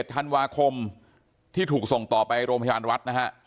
ธันวาคมที่ถูกส่งต่อไปโรงพยาบาลวัดนะฮะ